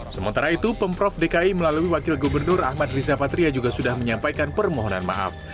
sementara itu pemprov dki melalui wakil gubernur ahmad riza patria juga sudah menyampaikan permohonan maaf